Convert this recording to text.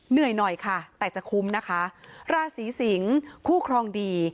เหนื่อยหน่อยค่ะแต่จะคุ้มนะคะราศีสิงศ์คู่ครองดี